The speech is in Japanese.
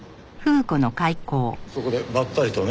そこでばったりとね。